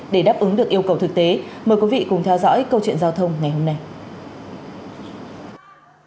để đáp ứng được yêu cầu thực tế mời quý vị cùng theo dõi câu chuyện giao thông ngày hôm nay